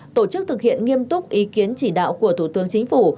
tổ chức thực hiện nghiêm túc ý kiến chỉ đạo của thủ tướng chính phủ